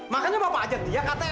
makanya bapak ajar dia ktm